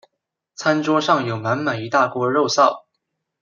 餐桌上有满满一大锅肉燥